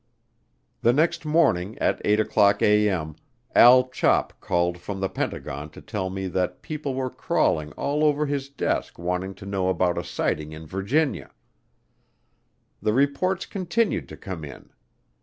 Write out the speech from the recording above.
The next morning at 8:00A.M., Al Chop called from the Pentagon to tell me that people were crawling all over his desk wanting to know about a sighting in Virginia. The reports continued to come in.